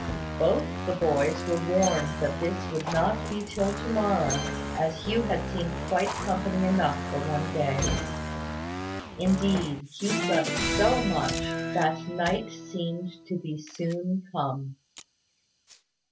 Both the boys were warned that this would not be till to morrow, as Hugh had seen quite company enough for one day. Indeed, he slept so much, that night seemed to be soon come.